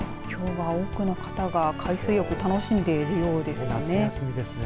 多くの方が海水浴を楽しんでいるようですね。